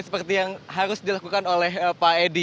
seperti yang harus dilakukan oleh pak edi